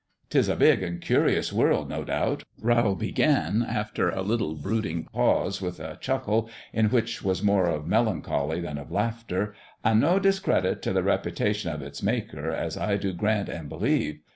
..." Tis a big and curious world, no doubt," Rowl began, after a little brooding pause, with a chuckle in which was more of melancholy than of laughter, " an' no discredit t' the reputation of its Maker, as I do grant an' believe.